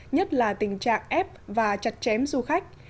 nhất là tình trạng ép và chặt chém du khách